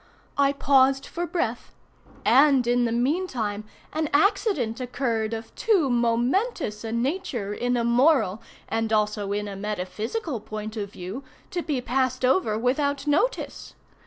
I paused for breath; and, in the meantime, an accident occurred of too momentous a nature in a moral, and also in a metaphysical point of view, to be passed over without notice.